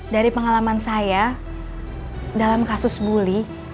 dari pengalaman saya dalam kasus bully